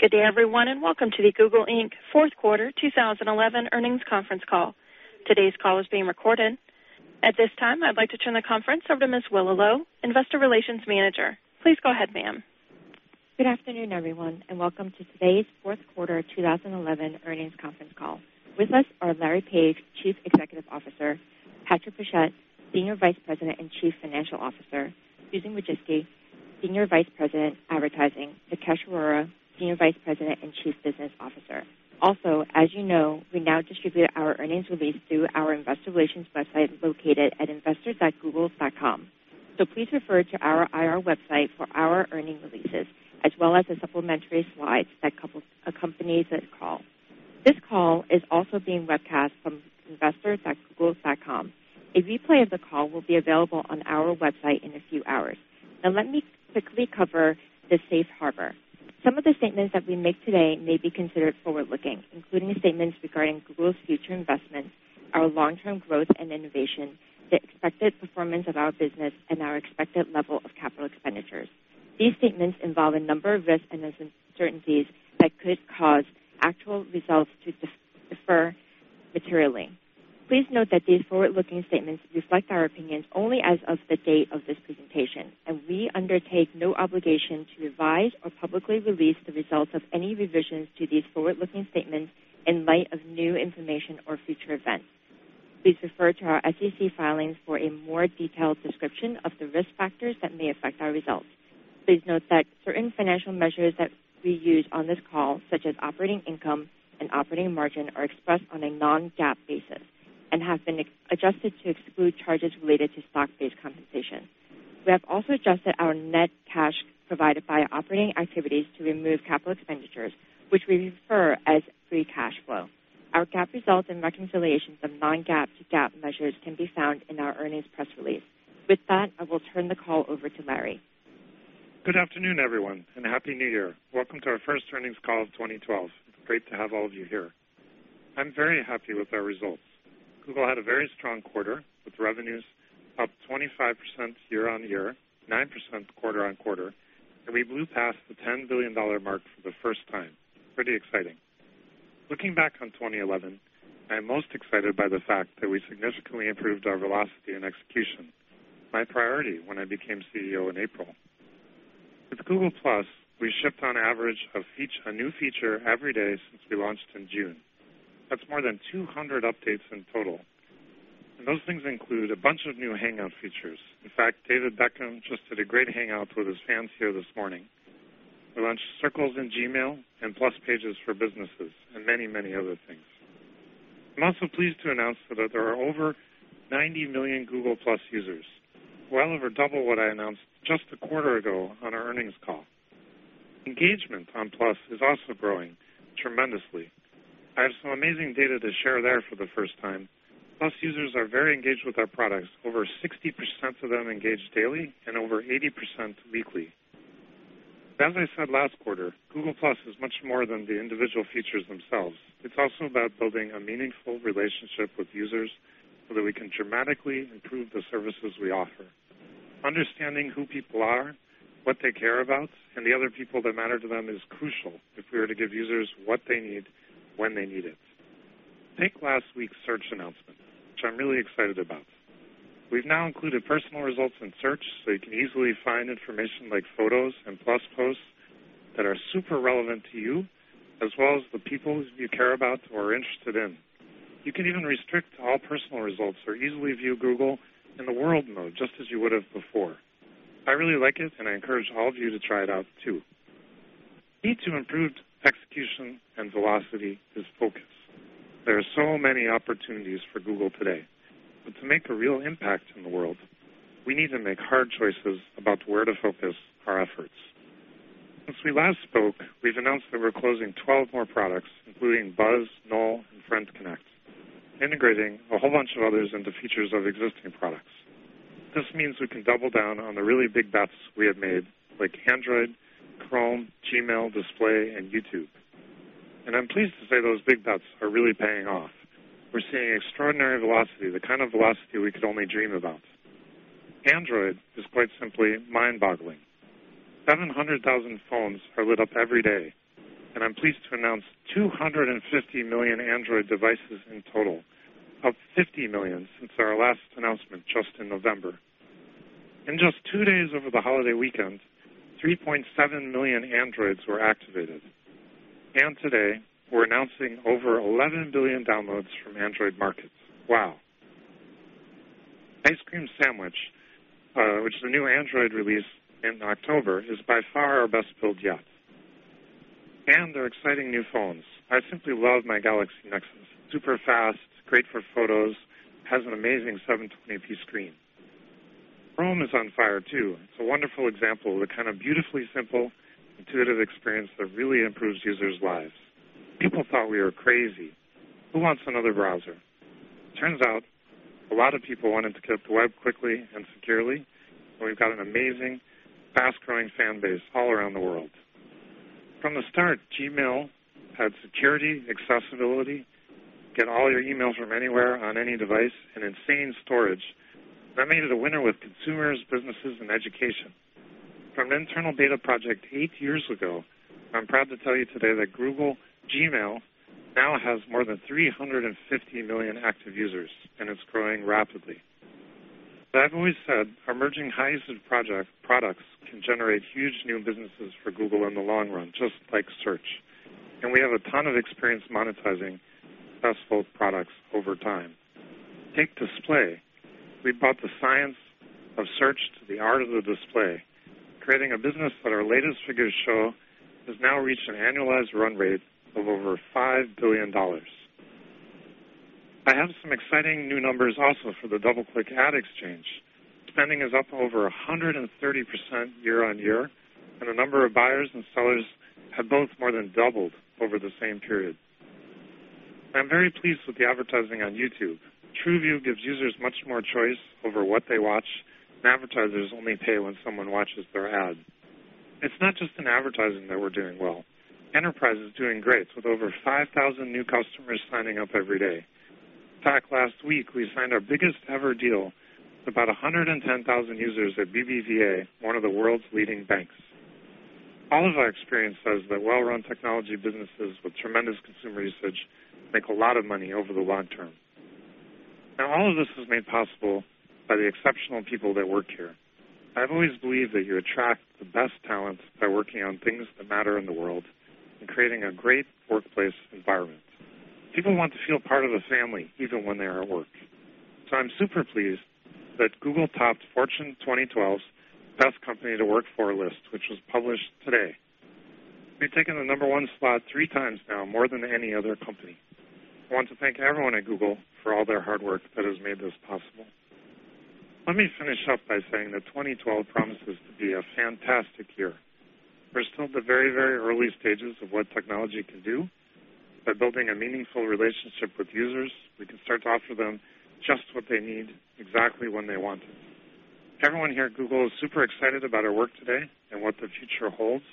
Good day, everyone, and welcome to the Google Inc. Fourth Quarter 2011 Earnings Conference Call. Today's call is being recorded. At this time, I'd like to turn the conference over to Ms. Willow Low, Investor Relations Manager. Please go ahead, ma'am. Good afternoon, everyone, and welcome to today's Fourth Quarter 2011 Earnings Conference Call. With us are Larry Page, Chief Executive Officer; Patrick Pichette, Senior Vice President and Chief Financial Officer; Susan Wojcicki, Senior Vice President Advertising; Nikesh Arora, Senior Vice President and Chief Business Officer. Also, as you know, we now distribute our earnings release through our Investor Relations website located at investors.google.com. Please refer to our IR website for our earnings releases, as well as the supplementary slides that accompany this call. This call is also being webcast from investors.google.com. A replay of the call will be available on our website in a few hours. Now, let me quickly cover the safe harbor. Some of the statements that we make today may be considered forward-looking, including statements regarding Google's future investments, our long-term growth and innovation, the expected performance of our business, and our expected level of capital expenditures. These statements involve a number of risks and uncertainties that could cause actual results to differ materially. Please note that these forward-looking statements reflect our opinions only as of the date of this presentation. We undertake no obligation to revise or publicly release the results of any revisions to these forward-looking statements in light of new information or future events. Please refer to our SEC filings for a more detailed description of the risk factors that may affect our results. Please note that certain financial measures that we use on this call, such as operating income and operating margin, are expressed on a non-GAAP basis and have been adjusted to exclude charges related to stock-based compensation. We have also adjusted our net cash provided by operating activities to remove capital expenditures, which we refer to as free cash flow. Our GAAP results and reconciliations of non-GAAP to GAAP measures can be found in our earnings press release. With that, I will turn the call over to Larry. Good afternoon, everyone, and Happy New Year. Welcome to our First Earnings Call of 2012. It's great to have all of you here. I'm very happy with our results. Google had a very strong quarter, with revenues up 25% year on year, 9% quarter on quarter. We blew past the $10 billion mark for the first time. Pretty exciting. Looking back on 2011, I am most excited by the fact that we significantly improved our velocity in execution, my priority when I became CEO in April. With Google+, we shipped on average a new feature every day since we launched in June. That's more than 200 updates in total. Those things include a bunch of new Hangout features. In fact, David Beckham just did a great Hangout with his fans here this morning. We launched Circles in Gmail and Plus pages for businesses, and many, many other things. I'm also pleased to announce that there are over 90 million Google+ users, well over double what I announced just a quarter ago on our earnings call. Engagement on Plus is also growing tremendously. I have some amazing data to share there for the first time. Plus users are very engaged with our products. Over 60% of them engage daily, and over 80% weekly. As I said last quarter, Google+ is much more than the individual features themselves. It's also about building a meaningful relationship with users so that we can dramatically improve the services we offer. Understanding who people are, what they care about, and the other people that matter to them is crucial if we are to give users what they need when they need it. Take last week's search announcement, which I'm really excited about. We've now included personal results in search, so you can easily find information like Photos and Plus posts that are super relevant to you, as well as the people you care about or are interested in. You can even restrict all personal results or easily view Google in the World mode, just as you would have before. I really like it, and I encourage all of you to try it out, too. Key to improved execution and velocity is focus. There are so many opportunities for Alphabet today. To make a real impact in the world, we need to make hard choices about where to focus our efforts. Since we last spoke, we've announced that we're closing 12 more products, including Buzz, Knoll, and Friend Connect, integrating a whole bunch of others into features of existing products. This means we can double down on the really big bets we have made, like Android, Chrome, Gmail, Display, and YouTube. I'm pleased to say those big bets are really paying off. We're seeing extraordinary velocity, the kind of velocity we could only dream about. Android is quite simply mind-boggling. 700,000 phones are lit up every day. I'm pleased to announce 250 million Android devices in total, up 50 million since our last announcement just in November. In just two days over the holiday weekend, 3.7 million Androids were activated. Today, we're announcing over 11 billion downloads from Android markets. Wow. Ice Cream Sandwich, which is a new Android release in October, is by far our best build yet. There are exciting new phones. I simply love my Galaxy Nexus. Super fast, great for photos, has an amazing 720p screen. Chrome is on fire, too. It's a wonderful example of the kind of beautifully simple, intuitive experience that really improves users' lives. People thought we were crazy. Who wants another browser? Turns out, a lot of people wanted to get to the web quickly and securely. We've got an amazing, fast-growing fan base all around the world. From the start, Gmail had security, accessibility, get all your emails from anywhere on any device, and insane storage. That made it a winner with consumers, businesses, and education. From the internal beta project eight years ago, I'm proud to tell you today that Google Gmail now has more than 350 million active users, and it's growing rapidly. I've always said our merging hybrid products can generate huge new businesses for Google in the long run, just like search. We have a ton of experience monetizing successful products over time. Take Display. We brought the science of search to the art of the display, creating a business that our latest figures show has now reached an annualized run rate of over $5 billion. I have some exciting new numbers also for the DoubleClick Ad Exchange. Spending is up over 130% year on year, and the number of buyers and sellers have both more than doubled over the same period. I'm very pleased with the advertising on YouTube. TrueView gives users much more choice over what they watch, and advertisers only pay when someone watches their ad. It's not just in advertising that we're doing well. Enterprise is doing great, with over 5,000 new customers signing up every day. In fact, last week, we signed our biggest ever deal with about 110,000 users at BBVA, one of the world's leading banks. All of our experience says that well-run technology businesses with tremendous consumer usage make a lot of money over the long term. Now, all of this is made possible by the exceptional people that work here. I've always believed that you attract the best talent by working on things that matter in the world and creating a great workplace environment. People want to feel part of the family, even when they're at work. I am super pleased that Google topped Fortune 2012's Best Company to Work for list, which was published today. We've taken the number one spot 3x now, more than any other company. I want to thank everyone at Google for all their hard work that has made this possible. Let me finish up by saying that 2012 promises to be a fantastic year. We're still at the very, very early stages of what technology can do. By building a meaningful relationship with users, we can start to offer them just what they need exactly when they want it. Everyone here at Google is super excited about our work today and what the future holds.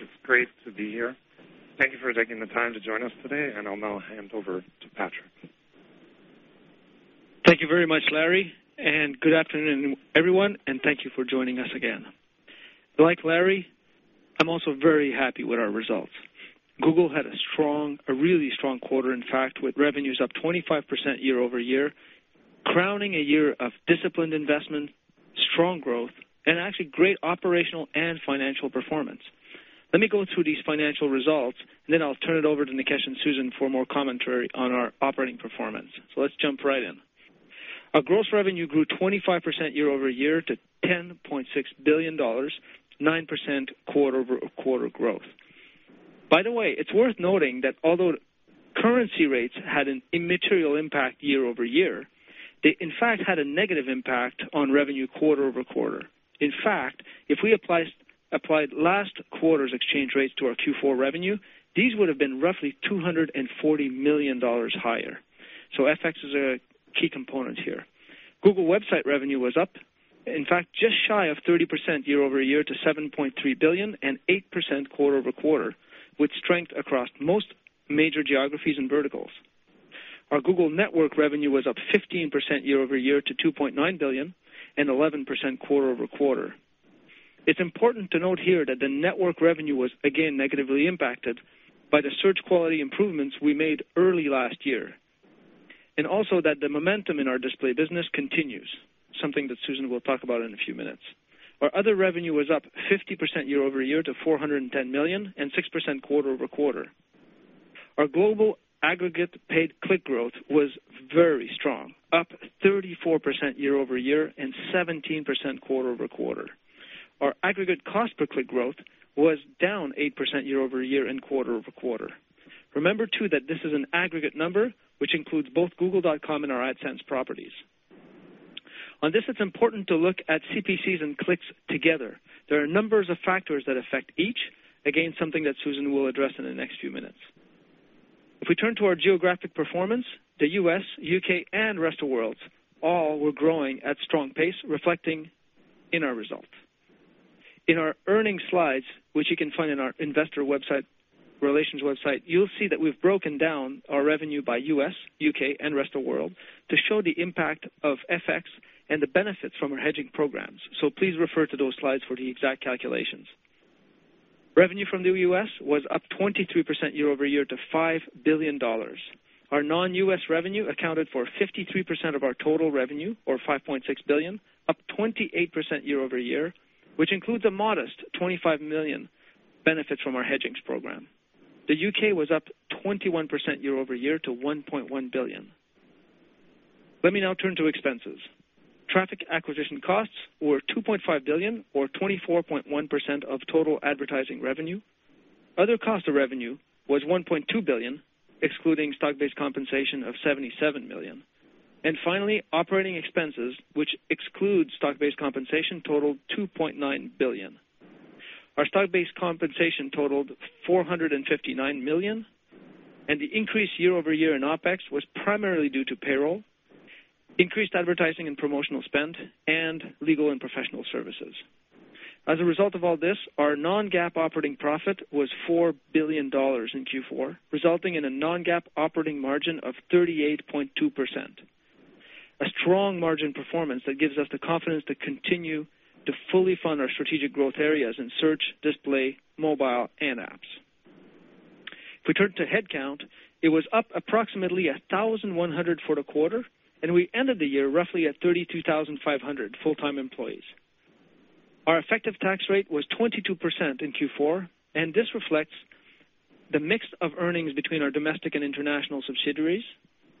It's great to be here. Thank you for taking the time to join us today. I'll now hand over to Patrick. Thank you very much, Larry. Good afternoon, everyone, and thank you for joining us again. Like Larry, I'm also very happy with our results. Google had a strong, a really strong quarter, in fact, with revenues up 25% year over year, crowning a year of disciplined investment, strong growth, and actually great operational and financial performance. Let me go through these financial results, and then I'll turn it over to Nikesh and Susan for more commentary on our operating performance. Let's jump right in. Our gross revenue grew 25% year-over-year to $10.6 billion, 9% quarter over quarter growth. By the way, it's worth noting that although currency rates had an immaterial impact year-over-year, they, in fact, had a negative impact on revenue quarter over quarter. If we applied last quarter's exchange rates to our Q4 revenue, these would have been roughly $240 million higher. FX is a key component here. Google website revenue was up, in fact, just shy of 30% year-over-year to $7.3 billion and 8% quarter over quarter, with strength across most major geographies and verticals. Our Google network revenue was up 15% year-over-year to $2.9 billion and 11% quarter over quarter. It is important to note here that the network revenue was, again, negatively impacted by the search quality improvements we made early last year, and also that the momentum in our Display business continues, something that Susan will talk about in a few minutes. Our other revenue was up 50% year-over-year to $410 million and 6% quarter over quarter. Our global aggregate paid click growth was very strong, up 34% year-over-year and 17% quarter over quarter. Our aggregate cost-per-click growth was down 8% year-over-year and quarter over quarter. Remember, too, that this is an aggregate number, which includes both Google.com and our AdSense properties. On this, it is important to look at CPCs and clicks together. There are numbers of factors that affect each, again, something that Susan will address in the next few minutes. If we turn to our geographic performance, the U.S., U.K., and the rest of the world all were growing at a strong pace, reflecting in our result. In our earnings slides, which you can find on our Investor Relations website, you'll see that we've broken down our revenue by U.S., U.K., and the rest of the world to show the impact of FX and the benefits from our hedging programs. Please refer to those slides for the exact calculations. Revenue from the U.S. was up 23% year-over-year to $5 billion. Our non-U.S. revenue accounted for 53% of our total revenue, or $5.6 billion, up 28% year-over-year, which includes a modest $25 million benefit from our hedging program. The U.K. was up 21% year over year to $1.1 billion. Let me now turn to expenses. Traffic acquisition costs were $2.5 billion, or 24.1% of total advertising revenue. Other cost of revenue was $1.2 billion, excluding stock-based compensation of $77 million. Finally, operating expenses, which exclude stock-based compensation, totaled $2.9 billion. Our stock-based compensation totaled $459 million. The increase year-over-year in OpEx was primarily due to payroll, increased advertising and promotional spend, and legal and professional services. As a result of all this, our non-GAAP operating profit was $4 billion in Q4, resulting in a non-GAAP operating margin of 38.2%, a strong margin performance that gives us the confidence to continue to fully fund our strategic growth areas in search, Display, mobile, and apps. If we turn to headcount, it was up approximately 1,100 for the quarter. We ended the year roughly at 32,500 full-time employees. Our effective tax rate was 22% in Q4. This reflects the mix of earnings between our domestic and international subsidiaries,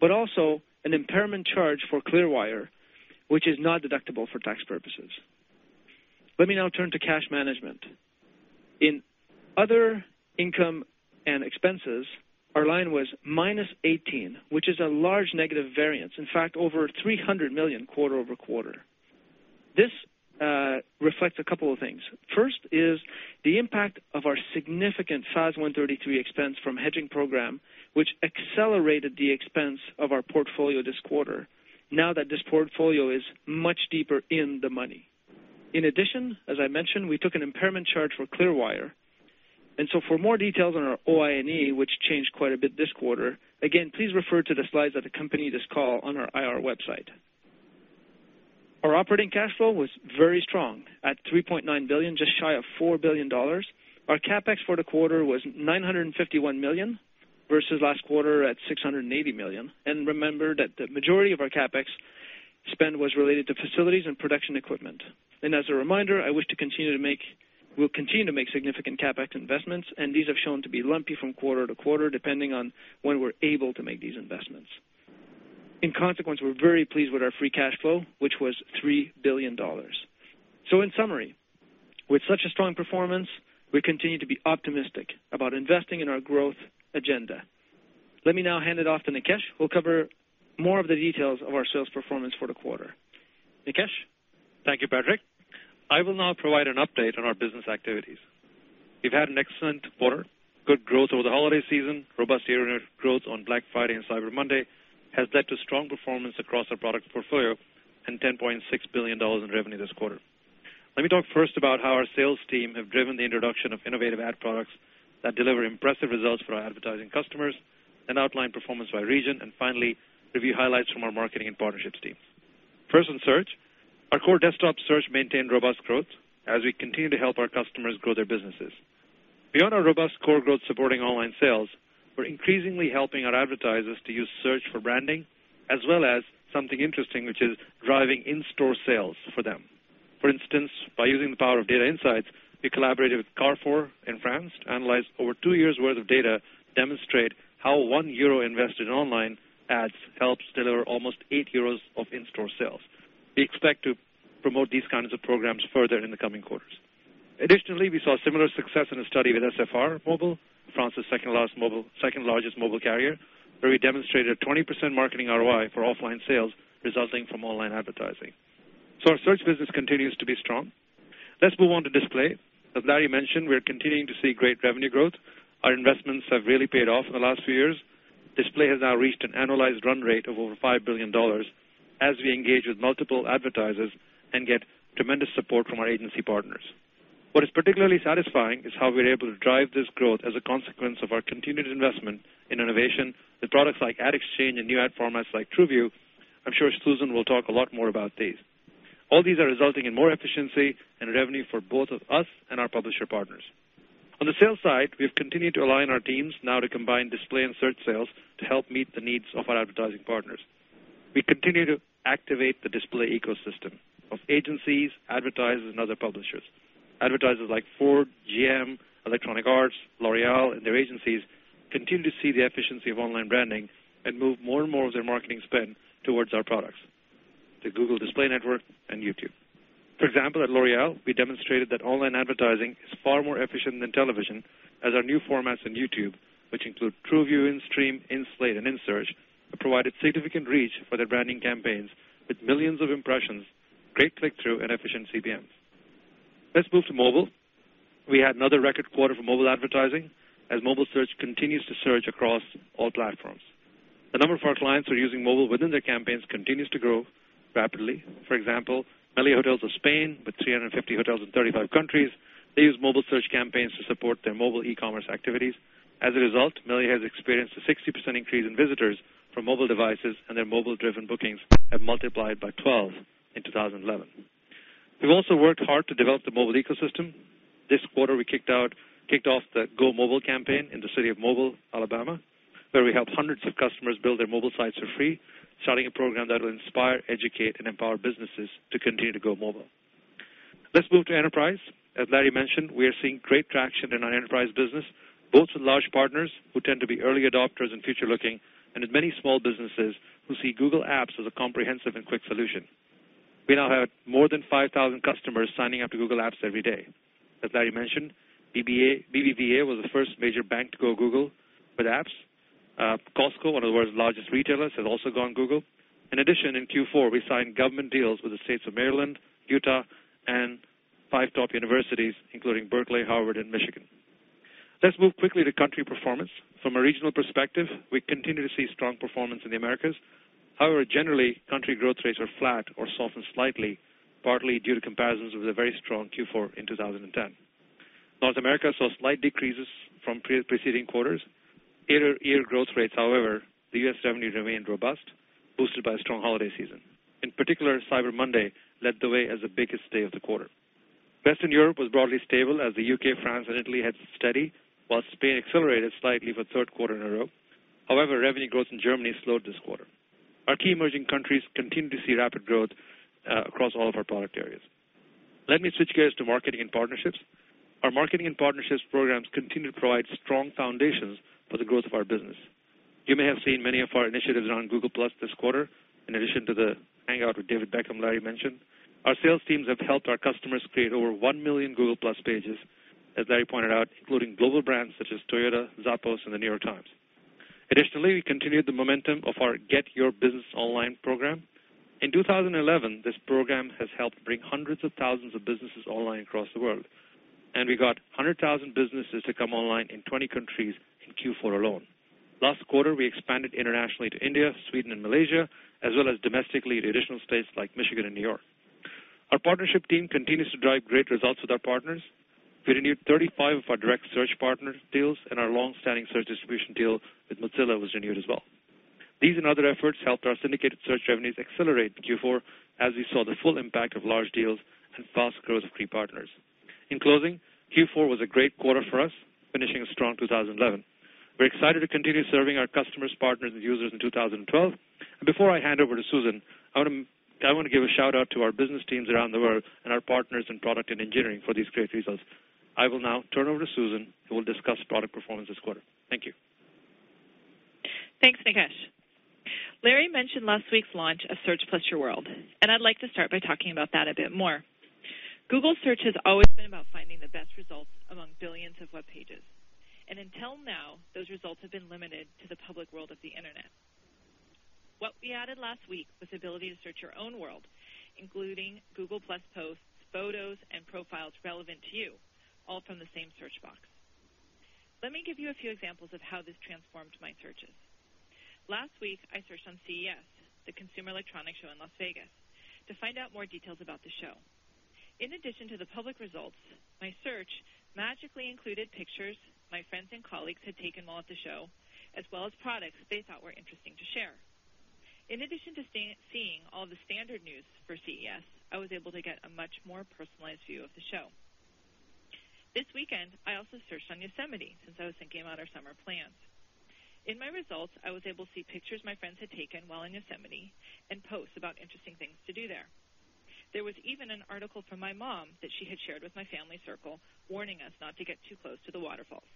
but also an impairment charge for Clearwire, which is not deductible for tax purposes. Let me now turn to cash management. In other income and expenses, our line was -18, which is a large negative variance, in fact, over $300 million quarter over quarter. This reflects a couple of things. First is the impact of our significant size 133 expense from the hedging program, which accelerated the expense of our portfolio this quarter, now that this portfolio is much deeper in the money. In addition, as I mentioned, we took an impairment charge for Clearwire. For more details on our OINE, which changed quite a bit this quarter, please refer to the slides that accompany this call on our IR website. Our operating cash flow was very strong at $3.9 billion, just shy of $4 billion. Our CapEx for the quarter was $951 million versus last quarter at $680 million. Remember that the majority of our CapEx spend was related to facilities and production equipment. As a reminder, I wish to continue to make, we'll continue to make significant CapEx investments. These have shown to be lumpy from quarter to quarter, depending on when we're able to make these investments. In consequence, we're very pleased with our free cash flow, which was $3 billion. In summary, with such a strong performance, we continue to be optimistic about investing in our growth agenda. Let me now hand it off to Nikesh, who will cover more of the details of our sales performance for the quarter. Nikesh. Thank you, Patrick. I will now provide an update on our business activities. We've had an excellent quarter, good growth over the holiday season, robust year-end growth on Black Friday and Cyber Monday, has led to strong performance across our product portfolio and $10.6 billion in revenue this quarter. Let me talk first about how our sales team has driven the introduction of innovative ad products that deliver impressive results for our advertising customers, and outline performance by region, and finally, review highlights from our marketing and partnerships teams. First in search, our core desktop search maintained robust growth as we continue to help our customers grow their businesses. Beyond our robust core growth supporting online sales, we're increasingly helping our advertisers to use search for branding, as well as something interesting, which is driving in-store sales for them. For instance, by using the power of data insights, we collaborated with Carrefour in France to analyze over two years' worth of data to demonstrate how one euro invested in online ads helps deliver almost eight euros of in-store sales. We expect to promote these kinds of programs further in the coming quarters. Additionally, we saw similar success in a study with SFR Mobile, France's second largest mobile carrier, where we demonstrated a 20% marketing ROI for offline sales resulting from online advertising. Our search business continues to be strong. Let's move on to Display. As Larry mentioned, we're continuing to see great revenue growth. Our investments have really paid off in the last few years. Display has now reached an annualized run rate of over $5 billion as we engage with multiple advertisers and get tremendous support from our agency partners. What is particularly satisfying is how we're able to drive this growth as a consequence of our continued investment in innovation with products like Ad Exchange and new ad formats like TrueView. I'm sure Susan will talk a lot more about these. All these are resulting in more efficiency and revenue for both of us and our publisher partners. On the sales side, we've continued to align our teams now to combine Display and search sales to help meet the needs of our advertising partners. We continue to activate the Display ecosystem of agencies, advertisers, and other publishers. Advertisers like Ford, GM, Electronic Arts, L'Oreal, and their agencies continue to see the efficiency of online branding and move more and more of their marketing spend towards our products, the Google Display Network and YouTube. For example, at L'Oreal, we demonstrated that online advertising is far more efficient than television, as our new formats in YouTube, which include TrueView, InStream, InSlate, and InSearch, have provided significant reach for their branding campaigns with millions of impressions, great click-through, and efficient CPMs. Let's move to mobile. We had another record quarter for mobile advertising, as mobile search continues to surge across all platforms. The number of our clients who are using mobile within their campaigns continues to grow rapidly. For example, Melia Hotels of Spain, with 350 hotels in 35 countries, use mobile search campaigns to support their mobile e-commerce activities. As a result, Melia has experienced a 60% increase in visitors from mobile devices, and their mobile-driven bookings have multiplied by 12 in 2011. We've also worked hard to develop the mobile ecosystem. This quarter, we kicked off the Go Mobile campaign in the city of Mobile, Alabama, where we helped hundreds of customers build their mobile sites for free, starting a program that will inspire, educate, and empower businesses to continue to go mobile. Let's move to enterprise. As Larry mentioned, we are seeing great traction in our enterprise business, both with large partners who tend to be early adopters and future looking, and with many small businesses who see Google Apps as a comprehensive and quick solution. We now have more than 5,000 customers signing up to Google Apps every day. As Larry mentioned, BBVA was the first major bank to go Google with Apps. Costco, one of the world's largest retailers, has also gone Google. In addition, in Q4, we signed government deals with the states of Maryland, Utah, and five top universities, including Berkeley, Harvard, and Michigan. Let's move quickly to country performance. From a regional perspective, we continue to see strong performance in the Americas. However, generally, country growth rates are flat or softened slightly, partly due to comparisons with a very strong Q4 in 2010. North America saw slight decreases from preceding quarters. Year-over-year growth rates, however, the U.S. revenue remained robust, boosted by a strong holiday season. In particular, Cyber Monday led the way as the biggest day of the quarter. Western Europe was broadly stable, as the U.K., France, and Italy had steady, while Spain accelerated slightly for the third quarter in a row. However, revenue growth in Germany slowed this quarter. Our key emerging countries continue to see rapid growth across all of our product areas. Let me switch gears to marketing and partnerships. Our marketing and partnerships programs continue to provide strong foundations for the growth of our business. You may have seen many of our initiatives on Google+ this quarter, in addition to the Hangout with David Beckham Larry mentioned. Our sales teams have helped our customers create over 1 million Google+ pages, as Larry pointed out, including global brands such as Toyota, Zappos, and The New York Times. Additionally, we continued the momentum of our Get Your Business Online program. In 2011, this program has helped bring hundreds of thousands of businesses online across the world. We got 100,000 businesses to come online in 20 countries in Q4 alone. Last quarter, we expanded internationally to India, Sweden, and Malaysia, as well as domestically to additional states like Michigan and New York. Our partnership team continues to drive great results with our partners. We renewed 35 of our direct search partner deals, and our long-standing search distribution deal with Mozilla was renewed as well. These and other efforts helped our syndicated search revenues accelerate in Q4, as we saw the full impact of large deals and fast growth of key partners. In closing, Q4 was a great quarter for us, finishing a strong 2011. We're excited to continue serving our customers, partners, and users in 2012. Before I hand over to Susan, I want to give a shout out to our business teams around the world and our partners in product and engineering for these great results. I will now turn over to Susan, who will discuss product performance this quarter. Thank you. Thanks, Nikesh. Larry mentioned last week's launch of Search Plus Your World. I'd like to start by talking about that a bit more. Google Search has always been about finding the best results among billions of web pages. Until now, those results have been limited to the public world of the internet. What we added last week was the ability to search your own world, including Google+ posts, photos, and profiles relevant to you, all from the same search box. Let me give you a few examples of how this transformed my searches. Last week, I searched on CES, the Consumer Electronics Show in Las Vegas, to find out more details about the show. In addition to the public results, my search magically included pictures my friends and colleagues had taken while at the show, as well as products they thought were interesting to share. In addition to seeing all the standard news for CES, I was able to get a much more personalized view of the show. This weekend, I also searched on Yosemite since I was thinking about our summer plans. In my results, I was able to see pictures my friends had taken while in Yosemite and posts about interesting things to do there. There was even an article from my mom that she had shared with my family circle, warning us not to get too close to the waterfalls.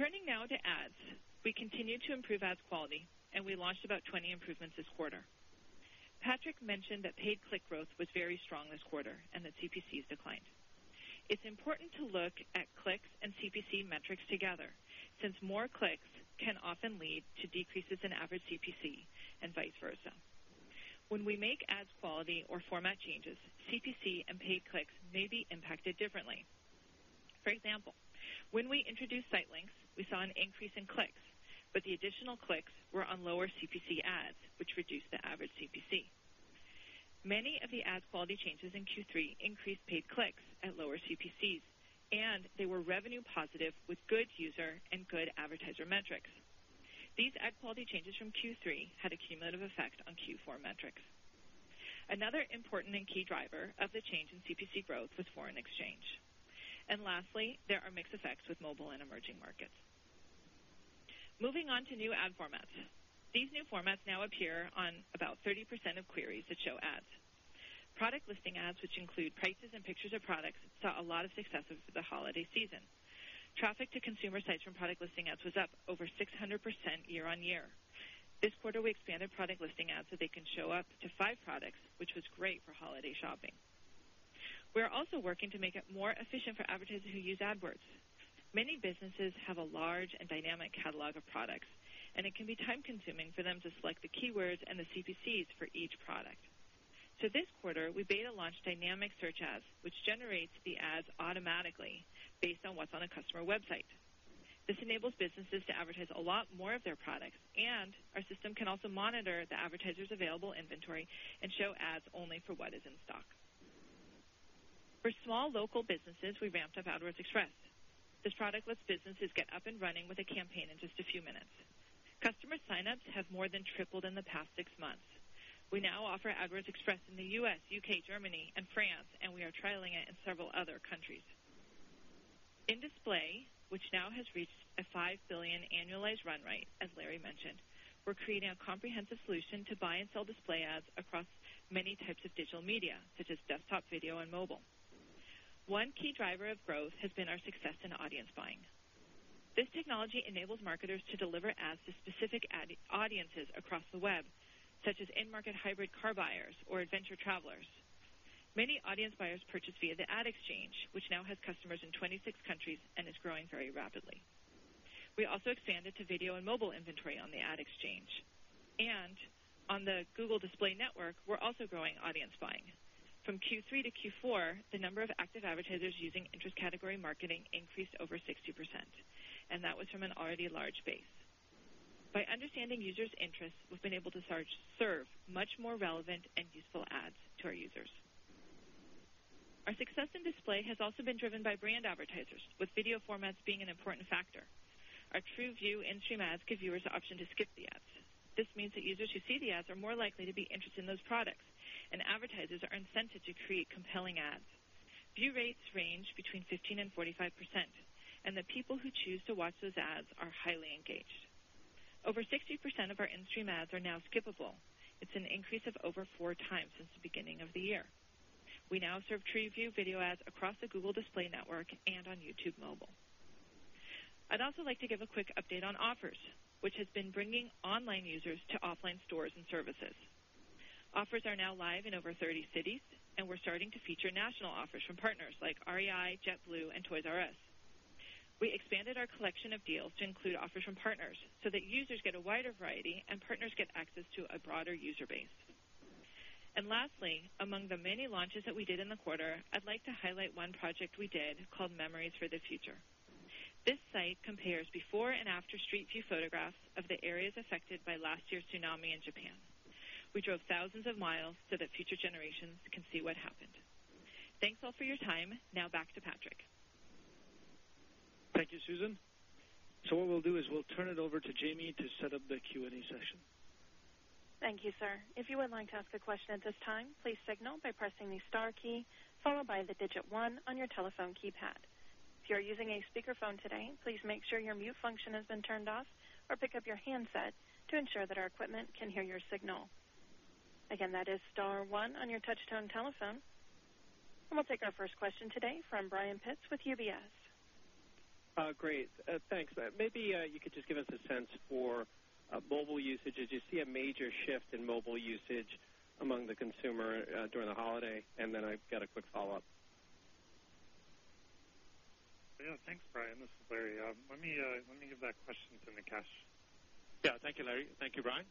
Turning now to ads, we continued to improve ads quality, and we launched about 20 improvements this quarter. Patrick mentioned that paid click growth was very strong this quarter and that CPCs declined. It's important to look at clicks and CPC metrics together, since more clicks can often lead to decreases in average CPC and vice versa. When we make ads quality or format changes, CPC and paid clicks may be impacted differently. For example, when we introduced site links, we saw an increase in clicks, but the additional clicks were on lower CPC ads, which reduced the average CPC. Many of the ads quality changes in Q3 increased paid clicks at lower CPCs, and they were revenue positive with good user and good advertiser metrics. These ad quality changes from Q3 had a cumulative effect on Q4 metrics. Another important and key driver of the change in CPC growth was foreign exchange. Lastly, there are mixed effects with mobile and emerging markets. Moving on to new ad formats, these new formats now appear on about 30% of queries that show ads. Product listing ads, which include prices and pictures of products, saw a lot of success over the holiday season. Traffic to consumer sites from product listing ads was up over 600% year-on-year. This quarter, we expanded product listing ads so they can show up to five products, which was great for holiday shopping. We're also working to make it more efficient for advertisers who use AdWords. Many businesses have a large and dynamic catalog of products, and it can be time-consuming for them to select the keywords and the CPCs for each product. This quarter, we beta-launched dynamic search ads, which generate the ads automatically based on what's on a customer website. This enables businesses to advertise a lot more of their products. Our system can also monitor the advertiser's available inventory and show ads only for what is in stock. For small local businesses, we ramped up AdWords Express. This product lets businesses get up and running with a campaign in just a few minutes. Customer sign-ups have more than tripled in the past six months. We now offer AdWords Express in the U.S., U.K., Germany, and France, and we are trialing it in several other countries. In Display, which now has reached a $5 billion annualized run rate, as Larry mentioned, we're creating a comprehensive solution to buy and sell Display ads across many types of digital media, such as desktop, video, and mobile. One key driver of growth has been our success in audience buying. This technology enables marketers to deliver ads to specific audiences across the web, such as in-market hybrid car buyers or adventure travelers. Many audience buyers purchase via the Ad Exchange, which now has customers in 26 countries and is growing very rapidly. We also expanded to video and mobile inventory on the Ad Exchange. On the Google Display Network, we're also growing audience buying. From Q3 to Q4, the number of active advertisers using interest category marketing increased over 60%, and that was from an already large base. By understanding users' interests, we've been able to serve much more relevant and useful ads to our users. Our success in Display has also been driven by brand advertisers, with video formats being an important factor. Our TrueView InStream ads give viewers the option to skip the ads. This means that users who see the ads are more likely to be interested in those products, and advertisers are incented to create compelling ads. View rates range between 15% and 45%, and the people who choose to watch those ads are highly engaged. Over 60% of our InStream ads are now skippable. It's an increase of over 4x since the beginning of the year. We now serve TrueView video ads across the Google Display Network and on YouTube Mobile. I'd also like to give a quick update on Google Offers, which has been bringing online users to offline stores and services. Offers are now live in over 30 cities, and we're starting to feature national offers from partners like REI, JetBlue, and Toys R Us. We expanded our collection of deals to include offers from partners so that users get a wider variety and partners get access to a broader user base. Lastly, among the many launches that we did in the quarter, I'd like to highlight one project we did called Memories for the Future. This site compares before and after Street View photographs of the areas affected by last year's tsunami in Japan. We drove thousands of miles so that future generations can see what happened. Thanks all for your time. Now back to Patrick. Thank you, Susan. What we'll do is turn it over to Jamie to set up the Q&A session. Thank you, sir. If you would like to ask a question at this time, please signal by pressing the star key, followed by the digit one on your telephone keypad. If you are using a speakerphone today, please make sure your mute function has been turned off or pick up your handset to ensure that our equipment can hear your signal. Again, that is star one on your touch-tone telephone. We'll take our first question today from Brian Pitz with UBS. Great. Thanks. Maybe you could just give us a sense for mobile usage. Did you see a major shift in mobile usage among the consumer during the holiday? I've got a quick follow-up. Yeah, thanks, Brian. This is Larry. Let me give that question to Nikesh. Thank you, Larry. Thank you, Brian.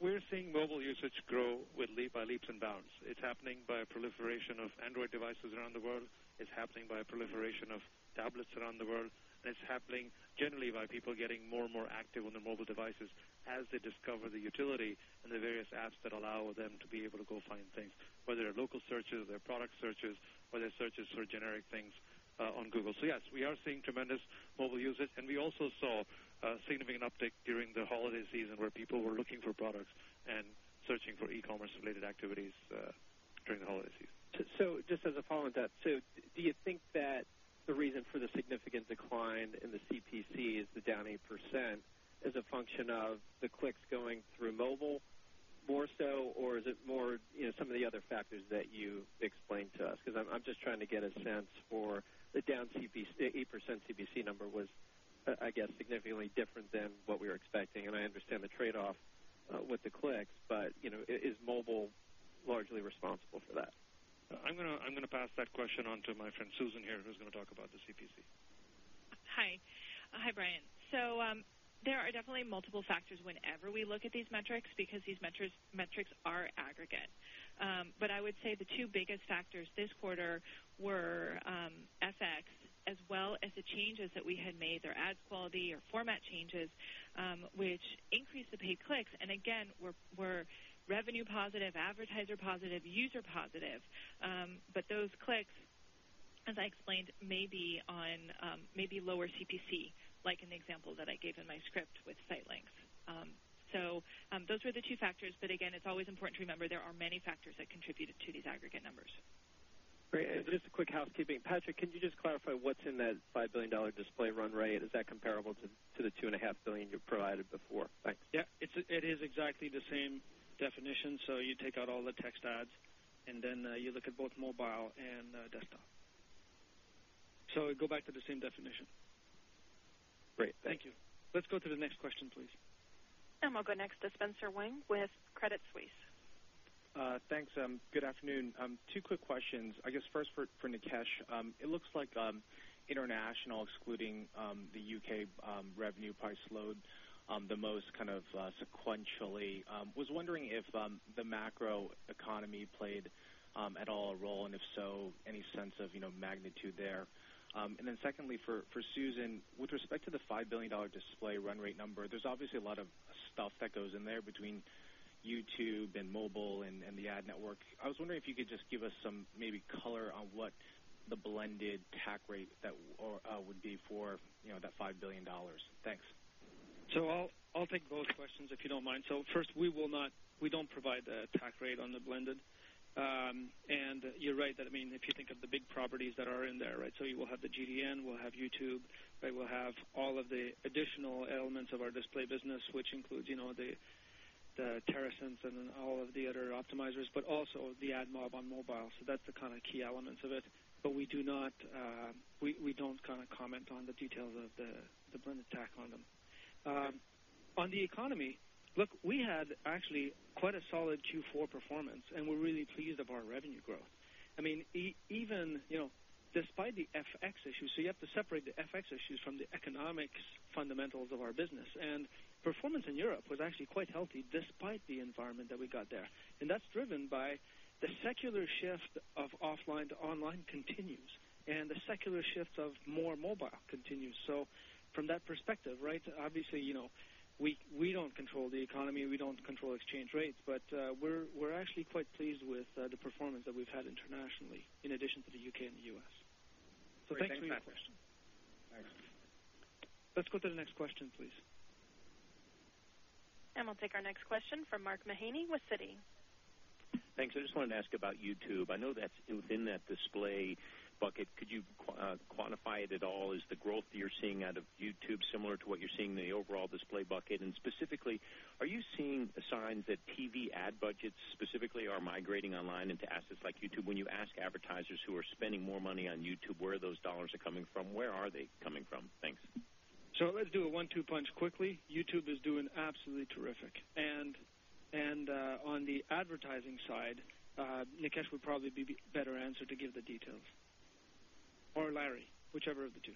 We're seeing mobile usage grow with leaps and bounds. It's happening by a proliferation of Android devices around the world. It's happening by a proliferation of tablets around the world. It's happening generally by people getting more and more active on their mobile devices as they discover the utility and the various apps that allow them to be able to go find things, whether they're local searches, or they're product searches, or they're searches for generic things on Google. Yes, we are seeing tremendous mobile usage. We also saw a significant uptick during the holiday season, where people were looking for products and searching for e-commerce-related activities during the holiday season. Just as a follow-up to that, do you think that the reason for the significant decline in the CPC is the down 8% as a function of the clicks going through mobile more so, or is it more some of the other factors that you explained to us? I'm just trying to get a sense for the down 8% CPC number, which was, I guess, significantly different than what we were expecting. I understand the trade-off with the clicks, but is mobile largely responsible for that? I'm going to pass that question on to my friend Susan here, who's going to talk about the CPC. Hi, Brian. There are definitely multiple factors whenever we look at these metrics, because these metrics are aggregate. I would say the two biggest factors this quarter were FX, as well as the changes that we had made, their ad quality or format changes, which increased the paid clicks. Again, we're revenue positive, advertiser positive, user positive. Those clicks, as I explained, may be on maybe lower CPC, like in the example that I gave in my script with site links. Those were the two factors. It's always important to remember there are many factors that contributed to these aggregate numbers. Great. Just a quick housekeeping. Patrick, can you just clarify what's in that $5 billion Display run rate? Is that comparable to the $2.5 billion you provided before? Yeah, it is exactly the same definition. You take out all the text ads, and then you look at both mobile and desktop. We go back to the same definition. Great. Thank you. Let's go to the next question, please. We will go next to Spencer Wang with Credit Suisse. Thanks. Good afternoon. Two quick questions. First for Nikesh. It looks like international, excluding the U.K., revenue probably slowed the most kind of sequentially. I was wondering if the macro economy played at all a role, and if so, any sense of magnitude there. Secondly, for Susan, with respect to the $5 billion Display run rate number, there's obviously a lot of stuff that goes in there between YouTube and mobile and the ad network. I was wondering if you could just give us some maybe color on what the blended tax rate would be for that $5 billion. Thanks. I'll take both questions, if you don't mind. First, we don't provide the tax rate on the blended. You're right that, if you think of the big properties that are in there, you will have the GDN, we'll have YouTube, we'll have all of the additional elements of our Display business, which includes the Terasynth and all of the other optimizers, but also the AdMob on mobile. That's the kind of key elements of it. We don't comment on the details of the blended tax on them. On the economy, look, we had actually quite a solid Q4 performance, and we're really pleased of our revenue growth. Even despite the FX issues, you have to separate the FX issues from the economics fundamentals of our business. Performance in Europe was actually quite healthy despite the environment that we got there. That's driven by the secular shift of offline to online continues. The secular shift of more mobile continues. From that perspective, obviously, we don't control the economy, we don't control exchange rates, but we're actually quite pleased with the performance that we've had internationally, in addition to the U.K. and the U.S. Thanks for that question. Thanks. Let's go to the next question, please. We'll take our next question from Mark Mahaney with Citi. Thanks. I just wanted to ask about YouTube. I know that's within that Display bucket. Could you quantify it at all? Is the growth that you're seeing out of YouTube similar to what you're seeing in the overall Display bucket? Specifically, are you seeing signs that TV ad budgets specifically are migrating online into assets like YouTube? When you ask advertisers who are spending more money on YouTube where those dollars are coming from, where are they coming from? Thanks. Let's do a one-two punch quickly. YouTube is doing absolutely terrific. On the advertising side, Nikesh would probably be a better answer to give the details, or Larry, whichever of the two.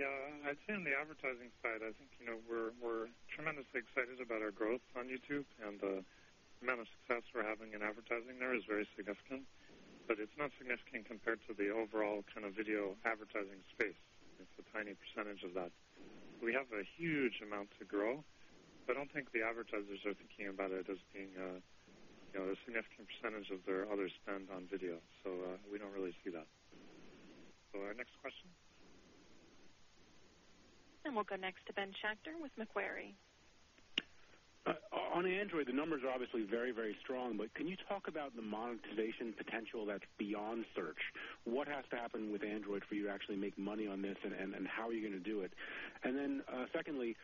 I'd say on the advertising side, I think we're tremendously excited about our growth on YouTube. The amount of success we're having in advertising there is very significant, but it's not significant compared to the overall kind of video advertising space. It's a tiny percentage of that. We have a huge amount to grow. I don't think the advertisers are thinking about it as being a significant percentage of their other spend on video. We don't really see that. Next question? We will go next to Ben Schachter with Macquarie. On Android, the numbers are obviously very, very strong. Can you talk about the monetization potential that's beyond search? What has to happen with Android for you to actually make money on this, and how are you going to do it? Secondly,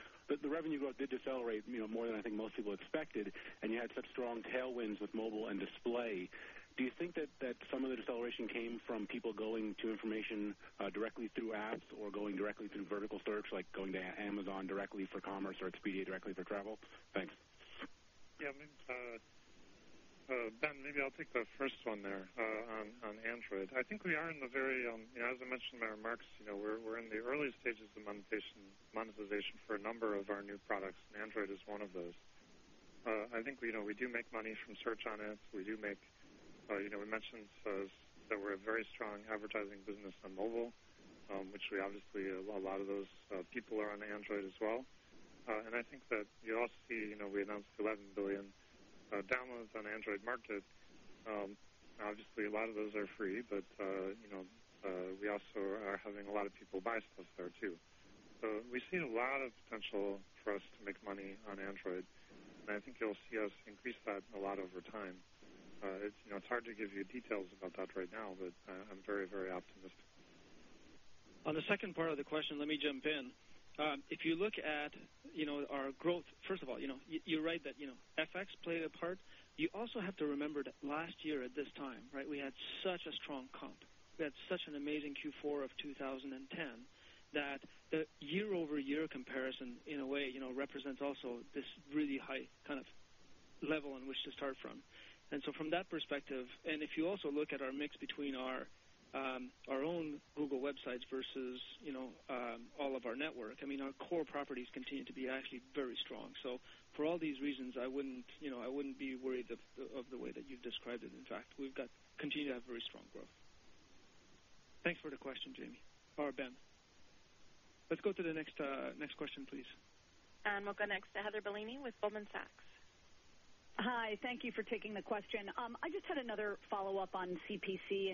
the revenue growth did decelerate more than I think most people expected. You had such strong tailwinds with mobile and Display. Do you think that some of the deceleration came from people going to information directly through apps or going directly through vertical thirds, like going to Amazon directly for commerce or Expedia directly for travel? Thanks. Yeah, I mean, Ben, maybe I'll take the first one there on Android. I think we are in the very, as I mentioned in my remarks, we're in the early stages of monetization for a number of our new products. Android is one of those. I think we do make money from search on it. We do make, we mentioned that we're a very strong advertising business on mobile, which obviously a lot of those people are on Android as well. I think that you also see we announced 11 billion downloads on the Android market. Obviously, a lot of those are free, but we also are having a lot of people buy stuff there, too. We see a lot of potential for us to make money on Android. I think you'll see us increase that a lot over time. It's hard to give you details about that right now, but I'm very, very optimistic. On the second part of the question, let me jump in. If you look at our growth, first of all, you're right that FX played a part. You also have to remember that last year at this time, we had such a strong comp. We had such an amazing Q4 of 2010 that the year-over-year comparison, in a way, represents also this really high kind of level on which to start from. From that perspective, if you also look at our mix between our own Google websites versus all of our network, our core properties continue to be actually very strong. For all these reasons, I wouldn't be worried of the way that you've described it. In fact, we continue to have very strong growth. Thanks for the question, Jamie, or Ben. Let's go to the next question, please. We will go next to Heather Bellini with Goldman Sachs. Hi. Thank you for taking the question. I just had another follow-up on CPC.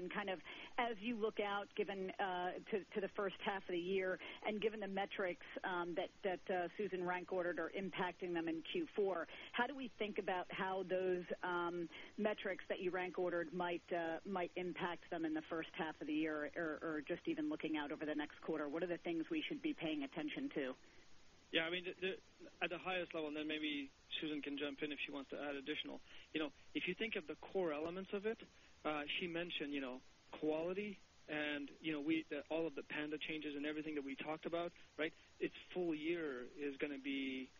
As you look out to the first half of the year and given the metrics that Susan rank-ordered are impacting them in Q4, how do we think about how those metrics that you rank-ordered might impact them in the first half of the year or just even looking out over the next quarter? What are the things we should be paying attention to? Yeah, I mean, at the highest level, and then maybe Susan can jump in if she wants to add additional. If you think of the core elements of it, she mentioned quality and all of the Panda changes and everything that we talked about. Its full year is going to be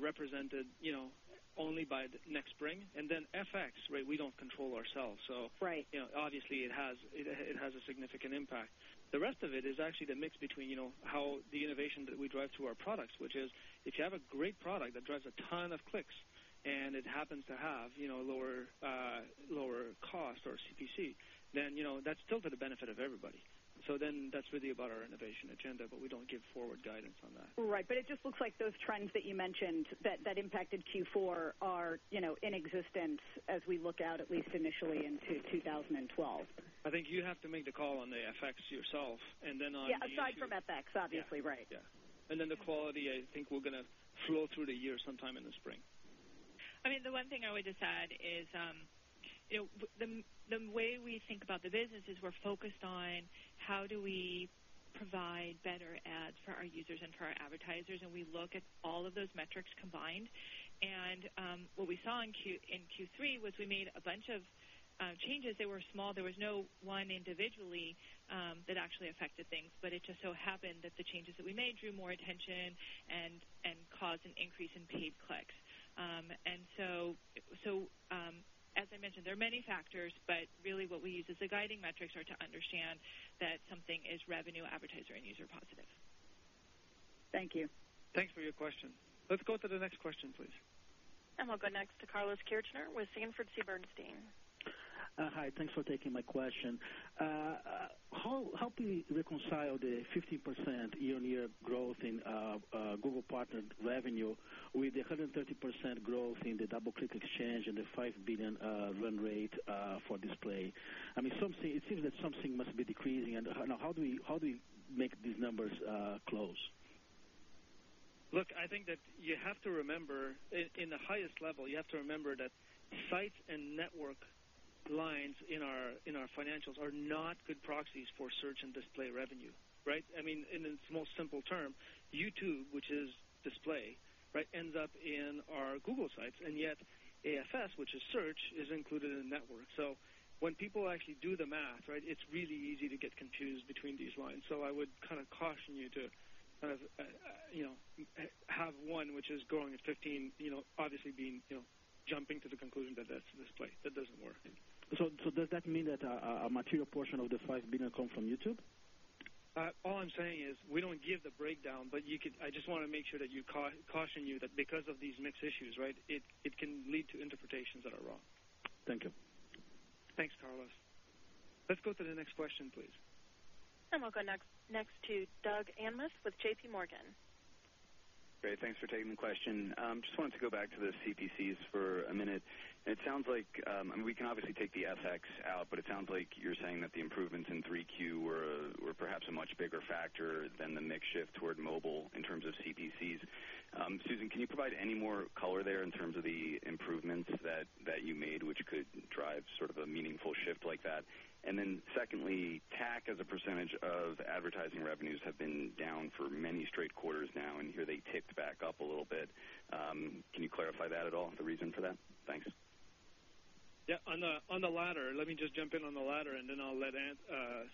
represented only by next spring. FX, we don't control ourselves, so obviously, it has a significant impact. The rest of it is actually the mix between how the innovation that we drive through our products, which is if you have a great product that drives a ton of clicks and it happens to have lower cost or CPC, then that's still to the benefit of everybody. That's really about our innovation agenda, but we don't give forward guidance on that. Right. It just looks like those trends that you mentioned that impacted Q4 are in existence as we look out, at least initially, into 2012. I think you have to make the call on the FX yourself. On. Yeah, aside from FX, obviously, right. Yeah, the quality, I think we're going to flow through the year sometime in the spring. I mean, the one thing I would just add is the way we think about the business is we're focused on how do we provide better ads for our users and for our advertisers. We look at all of those metrics combined. What we saw in Q3 was we made a bunch of changes. They were small. There was no one individually that actually affected things. It just so happened that the changes that we made drew more attention and caused an increase in paid clicks. As I mentioned, there are many factors, but really what we use as the guiding metrics are to understand that something is revenue, advertiser, and user positive. Thank you. Thanks for your question. Let's go to the next question, please. We'll go next to Carlos Kirchner with Sanford C. Bernstein. Hi. Thanks for taking my question. Help me reconcile the 50% year-on-year growth in Google partner revenue with the 130% growth in the DoubleClick Ad Exchange and the $5 billion run rate for Display. It seems that something must be decreasing. How do we make these numbers close? Look, I think that you have to remember, at the highest level, you have to remember that sites and network lines in our financials are not good proxies for search and Display revenue. I mean, in its most simple term, YouTube, which is Display, ends up in our Google sites. Yet AFS, which is search, is included in network. When people actually do the math, it's really easy to get confused between these lines. I would caution you to have one, which is growing at 15%, obviously jumping to the conclusion that that's Display. That doesn't work. Does that mean that a material portion of the $5 billion comes from YouTube? All I'm saying is we don't give the breakdown, but I just want to make sure that I caution you that because of these mixed issues, it can lead to interpretations that are wrong. Thank you. Thanks, Carlos. Let's go to the next question, please. We will go next to Doug Anmuth with JPMorgan. Great. Thanks for taking the question. I just wanted to go back to the CPCs for a minute. It sounds like, I mean, we can obviously take the FX out, but it sounds like you're saying that the improvements in 3Q were perhaps a much bigger factor than the mix shift toward mobile in terms of CPCs. Susan, can you provide any more color there in terms of the improvements that you made, which could drive sort of a meaningful shift like that? Secondly, TAC as a percentage of advertising revenues has been down for many straight quarters now. Here, they ticked back up a little bit. Can you clarify that at all, the reason for that? Thanks. Yeah, on the latter, let me just jump in on the latter, and then I'll let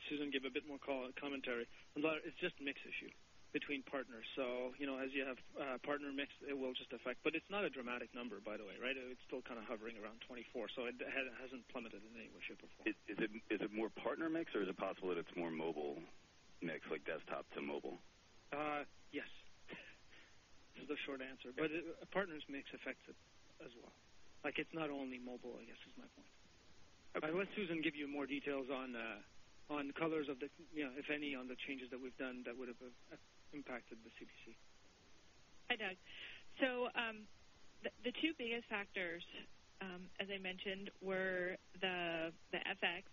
Susan give a bit more commentary. On the latter, it's just mix issues between partners. As you have partner mix, it will just affect. It's not a dramatic number, by the way. It's still kind of hovering around 24. It hasn't plummeted in any way, shape, or form. Is it more partner mix, or is it possible that it's more mobile mix, like desktop to mobile? Yes. This is the short answer. A partner's mix affects it as well. It's not only mobile, I guess, is my point. Let Susan give you more details on the colors of the, if any, on the changes that we've done that would have impacted the CPC. Hi, Doug. The two biggest factors, as I mentioned, were the FX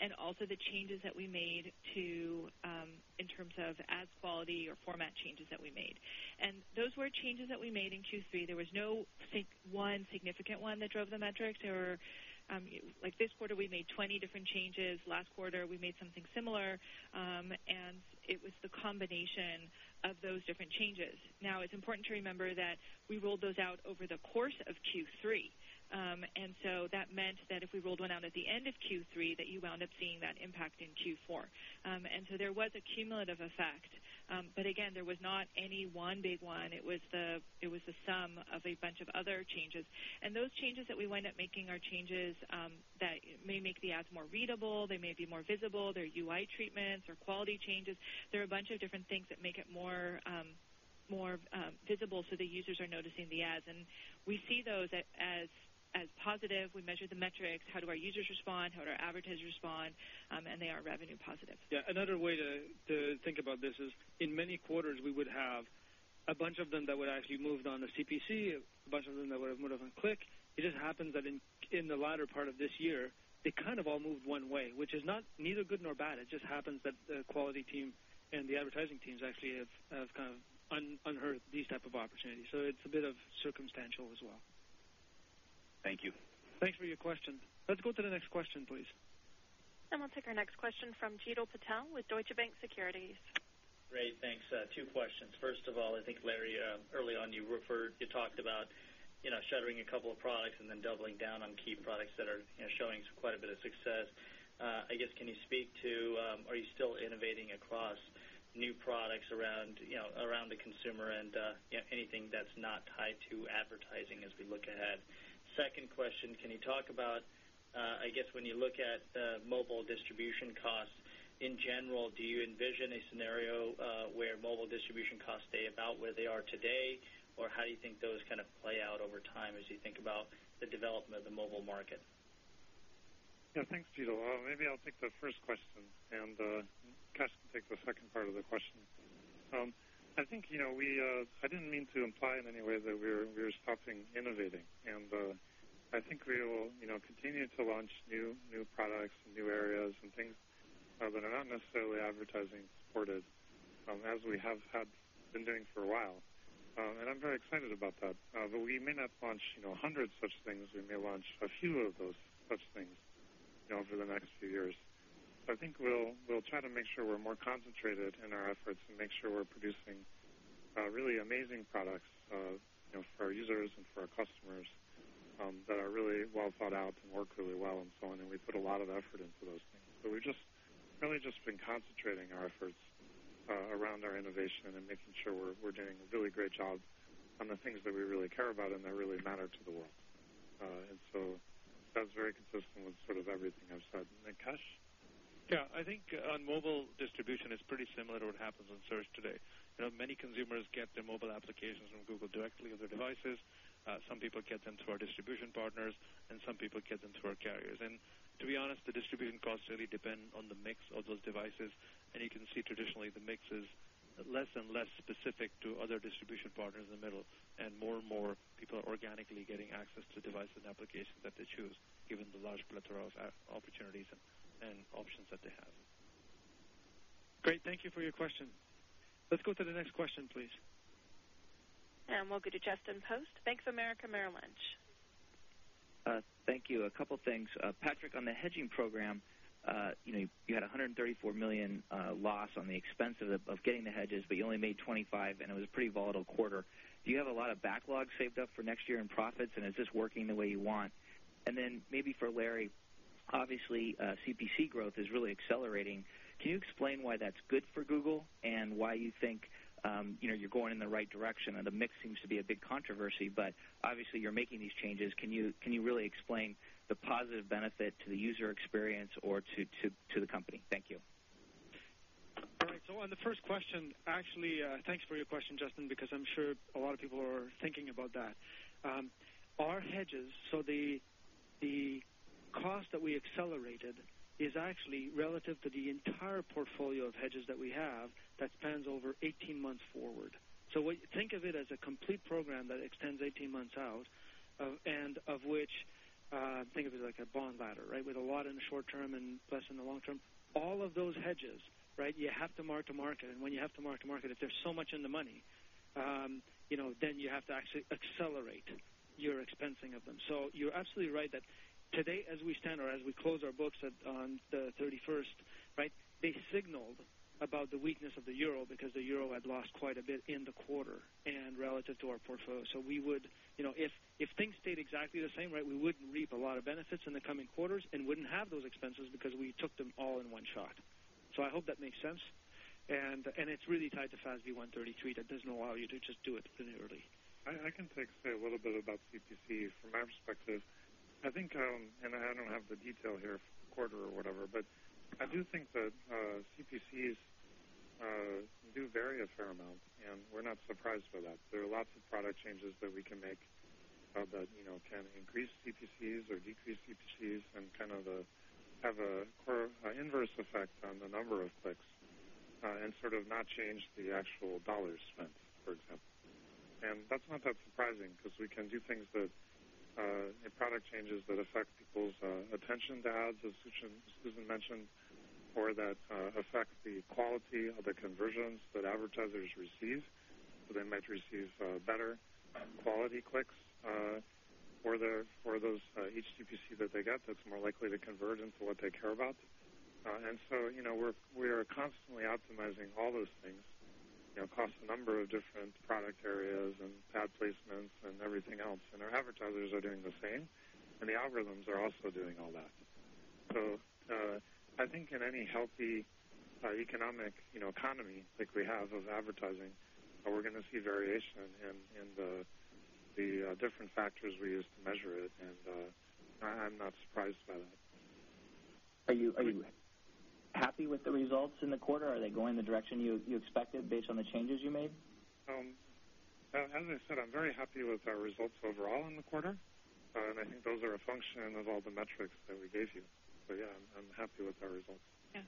and also the changes that we made in terms of ad quality or format changes that we made. Those were changes that we made in Q3. There was no one significant one that drove the metrics. This quarter, we made 20 different changes. Last quarter, we made something similar. It was the combination of those different changes. It's important to remember that we rolled those out over the course of Q3, which meant that if we rolled one out at the end of Q3, you wound up seeing that impact in Q4. There was a cumulative effect. There was not any one big one. It was the sum of a bunch of other changes. Those changes that we wind up making are changes that may make the ads more readable. They may be more visible. They're UI treatments or quality changes. There are a bunch of different things that make it more visible so the users are noticing the ads. We see those as positive. We measure the metrics. How do our users respond? How do our advertisers respond? They are revenue positive. Yeah, another way to think about this is in many quarters, we would have a bunch of them that would actually move on the CPC, a bunch of them that would have moved on click. It just happens that in the latter part of this year, they kind of all moved one way, which is neither good nor bad. It just happens that the quality team and the advertising teams actually have kind of unearthed these types of opportunities. It's a bit circumstantial as well. Thank you. Thanks for your question. Let's go to the next question, please. We will take our next question from Jeetil Patel with Deutsche Bank Securities. Great, thanks. Two questions. First of all, I think Larry, early on, you referred, you talked about shuttering a couple of products and then doubling down on key products that are showing quite a bit of success. I guess, can you speak to, are you still innovating across new products around the consumer and anything that's not tied to advertising as we look ahead? Second question, can you talk about, I guess, when you look at mobile distribution costs, in general, do you envision a scenario where mobile distribution costs stay about where they are today? How do you think those kind of play out over time as you think about the development of the mobile market? Yeah, thanks, Jeeteil Maybe I'll take the first question and Nikesh take the second part of the question. I think I didn't mean to imply in any way that we're stopping innovating. I think we will continue to launch new products and new areas and things that are not necessarily advertising supported, as we have been doing for a while. I'm very excited about that. We may not launch hundreds of such things. We may launch a few of those such things over the next few years. I think we'll try to make sure we're more concentrated in our efforts and make sure we're producing really amazing products for our users and for our customers that are really well thought out and work really well and so on. We put a lot of effort into those things. We've just really just been concentrating our efforts around our innovation and making sure we're doing a really great job on the things that we really care about and that really matter to the world. That's very consistent with sort of everything I've said. Nikesh? Yeah, I think on mobile distribution, it's pretty similar to what happens on search today. Many consumers get their mobile applications from Google directly on their devices. Some people get them through our distribution partners, and some people get them through our carriers. To be honest, the distribution costs really depend on the mix of those devices. You can see traditionally, the mix is less and less specific to other distribution partners in the middle. More and more people are organically getting access to devices and applications that they choose, given the large plethora of opportunities and options that they have. Great, thank you for your question. Let's go to the next question, please. We'll go to Justin Post. Bank of America, Merrill Lynch. Thank you. A couple of things. Patrick, on the hedging program, you had a $134 million loss on the expense of getting the hedges, but you only made $25 million, and it was a pretty volatile quarter. Do you have a lot of backlogs saved up for next year in profits, and is this working the way you want? Maybe for Larry, obviously, CPC is really accelerating. Can you explain why that's good for Google and why you think you're going in the right direction? The mix seems to be a big controversy, but obviously, you're making these changes. Can you really explain the positive benefit to the user experience or to the company? Thank you. All right, on the first question, actually, thanks for your question, Justin, because I'm sure a lot of people are thinking about that. Our hedges, the cost that we accelerated is actually relative to the entire portfolio of hedges that we have that spans over 18 months forward. Think of it as a complete program that extends 18 months out, and of which, think of it like a bond ladder, with a lot in the short term and less in the long term. All of those hedges, you have to mark to market. When you have to mark to market, if there's so much in the money, then you have to actually accelerate your expensing of them. You're absolutely right that today, as we stand or as we close our books on the 31st, they signaled about the weakness of the euro because the euro had lost quite a bit in the quarter and relative to our portfolio. If things stayed exactly the same, we wouldn't reap a lot of benefits in the coming quarters and wouldn't have those expenses because we took them all in one shot. I hope that makes sense. It's really tied to FASB 133 that doesn't allow you to just do it linearly. I can say a little bit about CPC from my perspective. I think, and I don't have the detail here, quarter or whatever, but I do think that CPCs do vary a fair amount. We're not surprised by that. There are lots of product changes that we can make that can increase CPCs or decrease CPCs and kind of have an inverse effect on the number of clicks and sort of not change the actual dollar spent, for example. That's not that surprising, because we can do things that make product changes that affect people's attention to ads, as Susan mentioned, or that affect the quality of the conversions that advertisers receive. They might receive better quality clicks for those each CPC that they get that's more likely to convert into what they care about. We are constantly optimizing all those things, across a number of different product areas and ad placements and everything else. Our advertisers are doing the same. The algorithms are also doing all that. I think in any healthy economic economy like we have of advertising, we're going to see variation in the different factors we use to measure it. I'm not surprised by that. Are you happy with the results in the quarter? Are they going in the direction you expected based on the changes you made? I'm very happy with our results overall in the quarter. I think those are a function of all the metrics that we gave you. Yeah, I'm happy with our results. Yeah.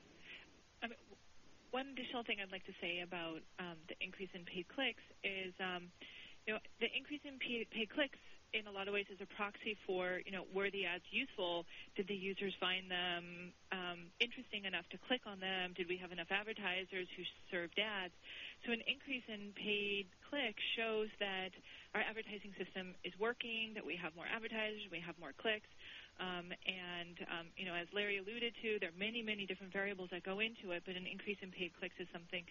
One additional thing I'd like to say about the increase in paid clicks is the increase in paid clicks, in a lot of ways, is a proxy for were the ads useful? Did the users find them interesting enough to click on them? Did we have enough advertisers who served ads? An increase in paid clicks shows that our advertising system is working, that we have more advertisers, we have more clicks. As Larry alluded to, there are many, many different variables that go into it. An increase in paid clicks is something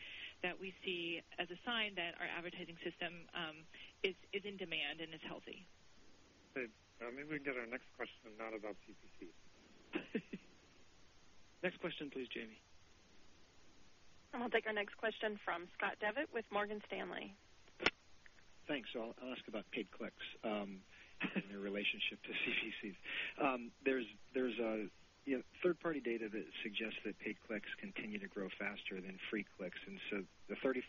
that we see as a sign that our advertising system is in demand and is healthy. I mean, we can get our next question not about CPC. Next question, please, Jamie. We will take our next question from Scott Devitt with Morgan Stanley. Thanks. I'll ask about paid clicks and their relationship to CPC. There's third-party data that suggests that paid clicks continue to grow faster than free clicks. The 34%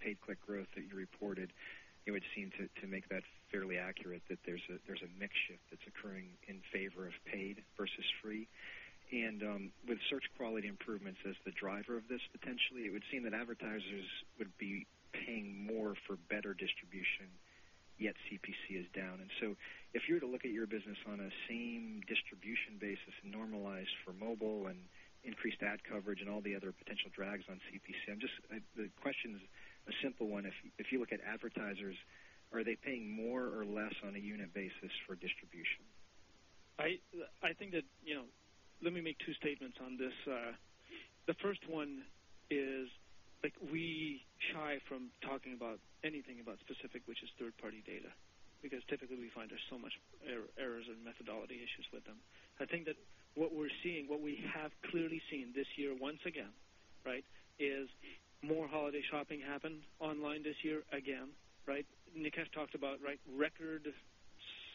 paid click growth that you reported would seem to make that fairly accurate, that there's a mix shift that's occurring in favor of paid versus free. With search quality improvements as the driver of this, potentially, it would seem that advertisers would be paying more for better distribution, yet CPC is down. If you were to look at your business on a same distribution basis and normalize for mobile and increased ad coverage and all the other potential drags on CPC, the question is a simple one. If you look at advertisers, are they paying more or less on a unit basis for distribution? I think that, let me make two statements on this. The first one is we shy from talking about anything specific, which is third-party data, because typically we find there's so much errors and methodology issues with them. I think that what we're seeing, what we have clearly seen this year once again, is more holiday shopping happen online this year again. Nikesh talked about record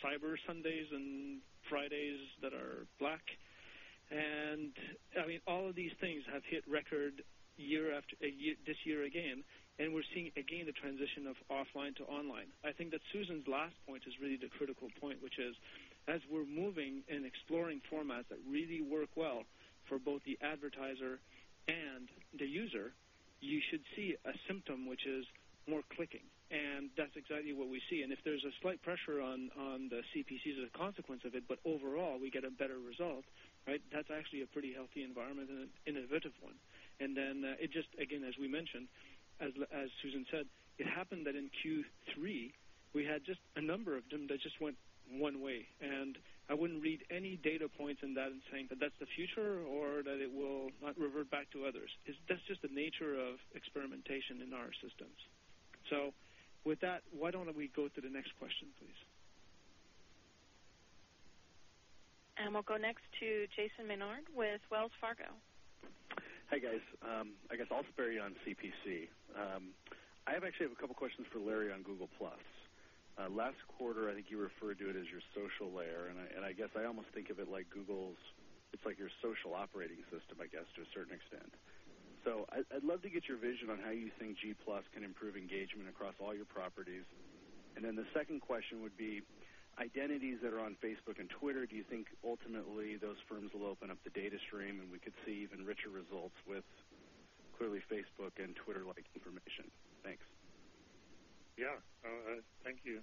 fiber Sundays and Fridays that are black. I mean, all of these things have hit record this year again. We're seeing again the transition of offline to online. I think that Susan's last point is really the critical point, which is as we're moving and exploring formats that really work well for both the advertiser and the user, you should see a symptom, which is more clicking. That's exactly what we see. If there's a slight pressure on the CPCs as a consequence of it, but overall we get a better result, that's actually a pretty healthy environment and an innovative one. It just, again, as we mentioned, as Susan said, it happened that in Q3, we had just a number of them that just went one way. I wouldn't read any data points in that and saying that that's the future or that it will revert back to others. That's just the nature of experimentation in our systems. With that, why don't we go to the next question, please? We will go next to Jason Menard with Wells Fargo. Hi, guys. I guess I'll spare you on CPC. I actually have a couple of questions for Larry on Google+. Last quarter, I think you referred to it as your social layer. I guess I almost think of it like Google's, it's like your social operating system, I guess, to a certain extent. I'd love to get your vision on how you think Google+ can improve engagement across all your properties. The second question would be identities that are on Facebook and Twitter, do you think ultimately those firms will open up the data stream and we could see even richer results with clearly Facebook and Twitter-like information? Thanks. Thank you,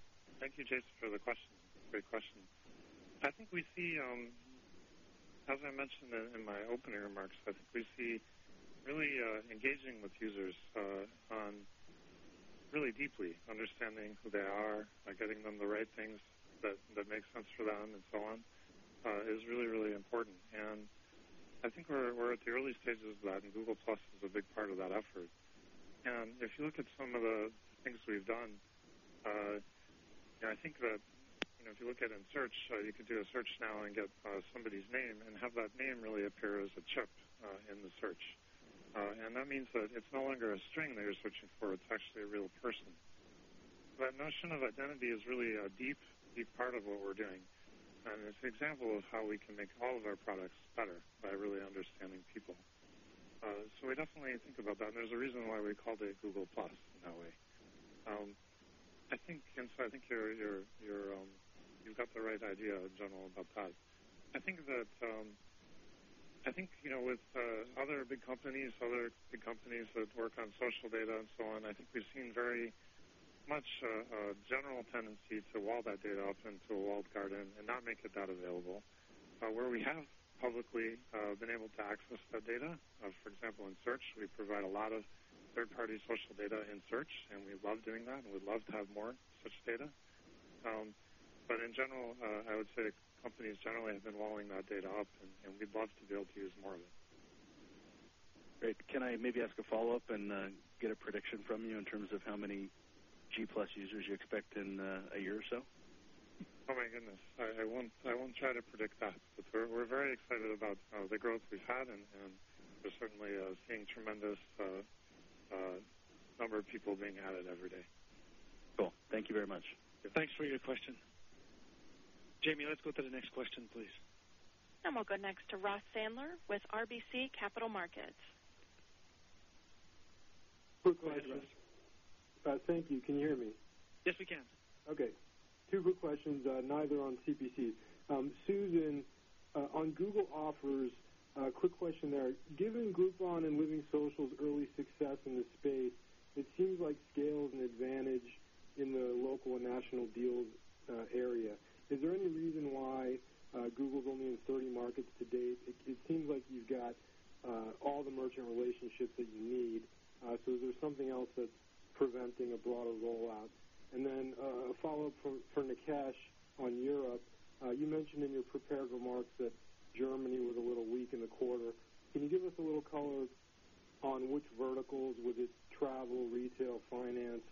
Jason, for the question. Great question. I think we see, as I mentioned in my opening remarks, that we see really engaging with users really deeply, understanding who they are, getting them the right things that make sense for them, and so on, is really, really important. I think we're at the early stages of that, and Google+ is a big part of that effort. If you look at some of the things we've done, I think that if you look at it in search, you could do a search now and get somebody's name and have that name really appear as a chip in the search. That means that it's no longer a string that you're searching for. It's actually a real person. That notion of identity is really a deep, deep part of what we're doing. It's an example of how we can make all of our products better by really understanding people. We definitely think about that. There's a reason why we called it Google+ in that way. I think you've got the right idea, in general, about that. With other big companies, other big companies that work on social data and so on, I think we've seen very much a general tendency to wall that data up into a walled garden and not make it that available. Where we have publicly been able to access that data, for example, in search, we provide a lot of third-party social data in search. We love doing that. We'd love to have more such data. In general, I would say companies generally have been walling that data up. We'd love to be able to use more of it. Great. Can I maybe ask a follow-up and get a prediction from you in terms of how many Google+ users you expect in a year or so? Oh, my goodness. I won't try to predict that. We're very excited about the growth we've had. We're certainly seeing a tremendous number of people being added every day. Cool. Thank you very much. Thanks for your question. Jamie, let's go to the next question, please. We will go next to Ross Sandler with RBC Capital Markets. Group questions. Thank you. Can you hear me? Yes, we can. OK. Two group questions, neither on CPC. Susan, on Google Offers, a quick question there. Given Groupon and Living Social's early success in this space, it seems like scale is an advantage in the local and national deal area. Is there any reason why Google's only in 30 markets to date? It seems like you've got all the merchant relationships that you need. Is there something else that's preventing a broader rollout? A follow-up for Nikesh on Europe. You mentioned in your prepared remarks that Germany was a little weak in the quarter. Can you give us a little color on which verticals, whether it's travel, retail, finance,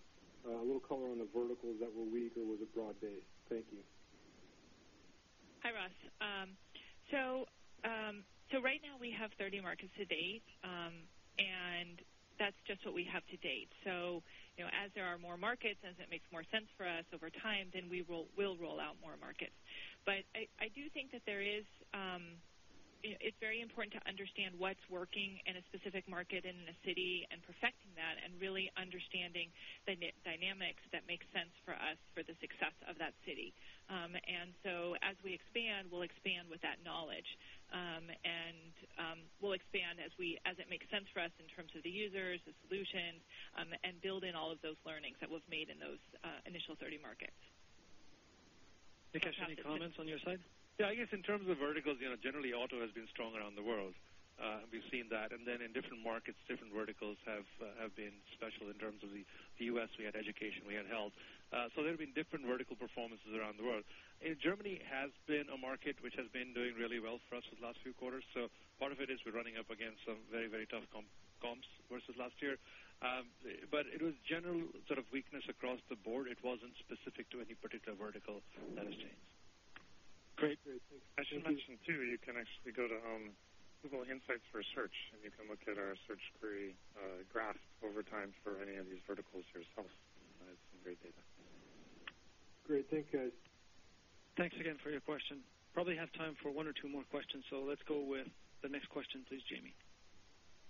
a little color on the verticals that were weak or was it broad-based? Thank you. Hi, Ross. Right now, we have 30 markets to date. That's just what we have to date. As there are more markets, as it makes more sense for us over time, we will roll out more markets. I do think that it's very important to understand what's working in a specific market and in a city, perfecting that, and really understanding the dynamics that make sense for us for the success of that city. As we expand, we'll expand with that knowledge, and we'll expand as it makes sense for us in terms of the users, the solutions, and building all of those learnings that we've made in those initial 30 markets. Nikesh, any comments on your side? Yeah, I guess in terms of verticals, generally, auto has been strong around the world. We've seen that. In different markets, different verticals have been special. In terms of the U.S., we had education. We had health. There have been different vertical performances around the world. Germany has been a market which has been doing really well for us for the last few quarters. Part of it is we're running up against some very, very tough comps versus last year. It was general sort of weakness across the board. It wasn't specific to any particular vertical that has changed. Great. Thanks. As you mentioned, too, you can actually go to Google Insights for Search, and you can look at our search query graph over time for any of these verticals yourself. It's some great data. Great. Thank you, guys. Thanks again for your question. We probably have time for one or two more questions. Let's go with the next question, please, Jamie.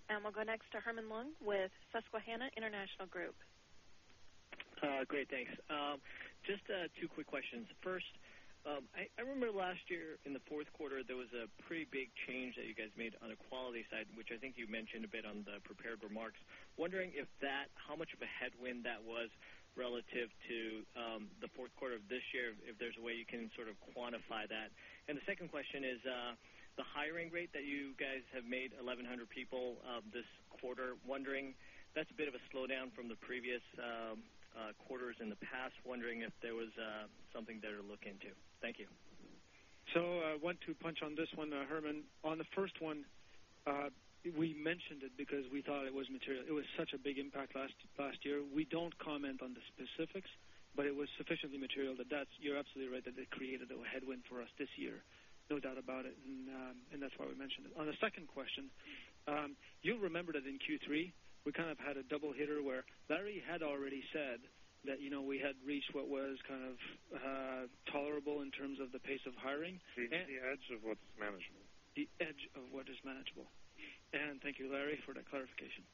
We will go next to Herman Lung with Susquehanna International Group. Great, thanks. Just two quick questions. First, I remember last year in the fourth quarter, there was a pretty big change that you guys made on the quality side, which I think you mentioned a bit on the prepared remarks. Wondering if that, how much of a headwind that was relative to the fourth quarter of this year, if there's a way you can sort of quantify that. The second question is the hiring rate that you guys have made 1,100 people this quarter. Wondering if that's a bit of a slowdown from the previous quarters in the past. Wondering if there was something there to look into. Thank you. I want to punch on this one, Herman. On the first one, we mentioned it because we thought it was material. It was such a big impact last year. We don't comment on the specifics, but it was sufficiently material that you're absolutely right that it created a headwind for us this year. No doubt about it. That's why we mentioned it. On the second question, you'll remember that in Q3, we kind of had a double hitter where Larry had already said that we had reached what was kind of tolerable in terms of the pace of hiring. The edge of what's manageable. The edge of what is manageable. Thank you, Larry, for that clarification.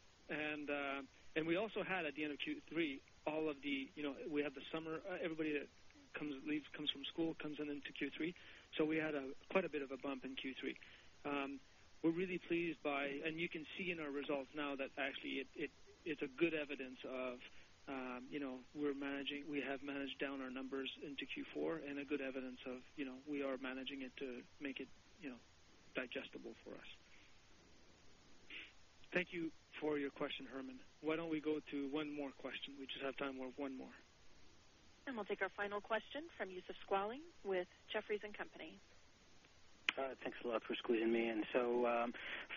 We also had at the end of Q3, all of the we have the summer. Everybody that leaves comes from school, comes in into Q3. We had quite a bit of a bump in Q3. We're really pleased by, and you can see in our results now that actually it's a good evidence of we have managed down our numbers into Q4 and a good evidence of we are managing it to make it digestible for us. Thank you for your question, Herman. Why don't we go to one more question? We just have time for one more. We will take our final question from Youssef Squali with Jefferies and Company. All right, thanks a lot for including me.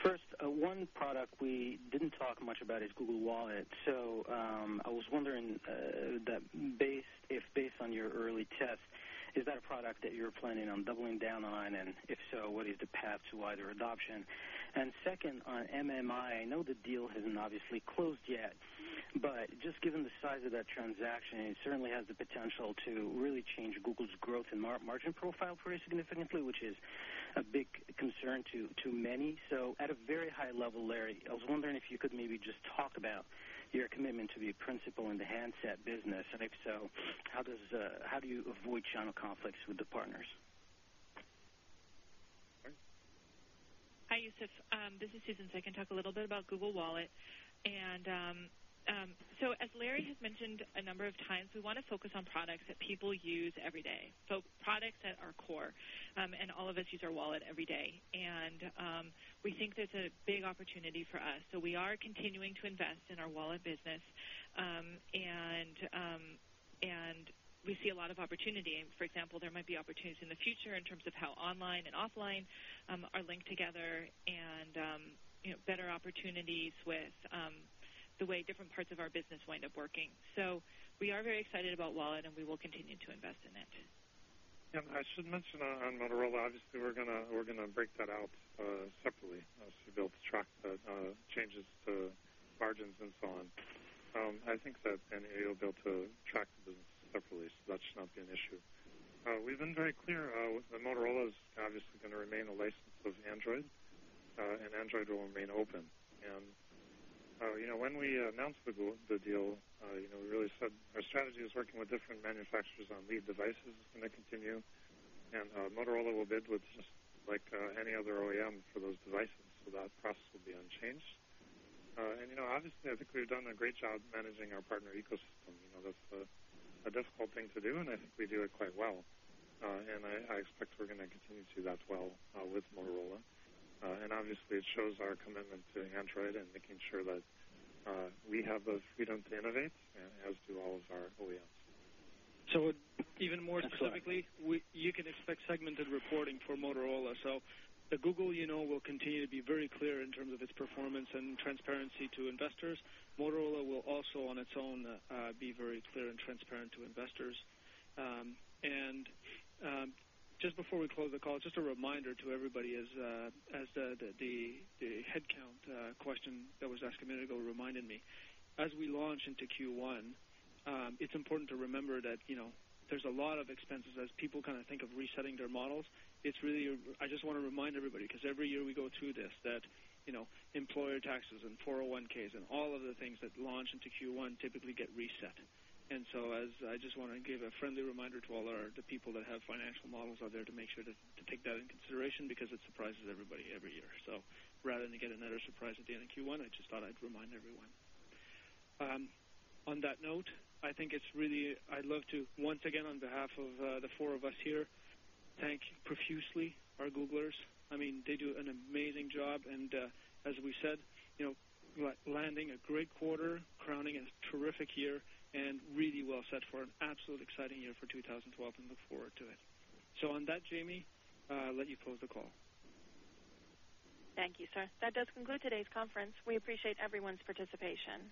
First, one product we didn't talk much about is Google Wallet. I was wondering if, based on your early tests, is that a product that you're planning on doubling down on? If so, what is the path to wider adoption? Second, on MMI, I know the deal hasn't obviously closed yet. Just given the size of that transaction, it certainly has the potential to really change Google's growth and margin profile pretty significantly, which is a big concern to many. At a very high level, Larry, I was wondering if you could maybe just talk about your commitment to be a principal in the handset business. If so, how do you avoid channel conflicts with the partners? Hi, Youssef. This is Susan. I can talk a little bit about Google Wallet. As Larry has mentioned a number of times, we want to focus on products that people use every day, products that are core. All of us use our wallet every day, and we think there's a big opportunity for us. We are continuing to invest in our wallet business, and we see a lot of opportunity. For example, there might be opportunities in the future in terms of how online and offline are linked together and better opportunities with the way different parts of our business wind up working. We are very excited about Wallet, and we will continue to invest in it. I should mention on Motorola, obviously, we're going to break that out separately. She built tracks that changes to margins and so on. I think that Annie will be able to track the business separately. That should not be an issue. We've been very clear that Motorola is obviously going to remain a licensee of Android, and Android will remain open. When we announced the deal, we really said our strategy is working with different manufacturers on lead devices is going to continue. Motorola will bid just like any other OEM for those devices. That process will be unchanged. I think we've done a great job managing our partner ecosystem. That's a difficult thing to do, and I think we do it quite well. I expect we're going to continue to do that well with Motorola. It shows our commitment to Android and making sure that we have the freedom to innovate, as do all of our OEMs. Even more specifically, you can expect segmented reporting for Motorola. Google will continue to be very clear in terms of its performance and transparency to investors. Motorola will also, on its own, be very clear and transparent to investors. Just before we close the call, just a reminder to everybody, as the headcount question that was asked a minute ago reminded me, as we launch into Q1, it's important to remember that there's a lot of expenses as people kind of think of resetting their models. I just want to remind everybody, because every year we go through this, that employer taxes and 401(k)s and all of the things that launch into Q1 typically get reset. I just want to give a friendly reminder to all the people that have financial models out there to make sure to take that into consideration, because it surprises everybody every year. Rather than get another surprise at the end of Q1, I just thought I'd remind everyone. On that note, I'd love to, once again, on behalf of the four of us here, thank profusely our Googlers. They do an amazing job. As we said, landing a great quarter, crowning a terrific year, and really well set for an absolute exciting year for 2012. I look forward to it. On that, Jamie, I'll let you close the call. Thank you, sir. That does conclude today's conference. We appreciate everyone's participation.